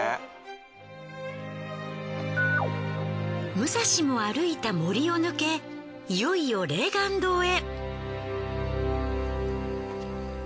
武蔵も歩いた森を抜けいよいよ霊巌洞へ。